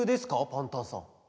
パンタンさん。